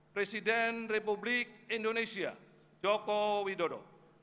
presiden republik indonesia joko widodo